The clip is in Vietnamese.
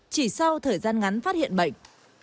chỉ sau thời gian ngắn phát hiện bệnh